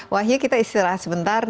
wahya kita istirahat sebentar